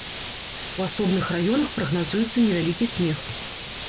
У асобных раёнах прагназуецца невялікі снег.